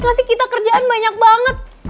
kasih kita kerjaan banyak banget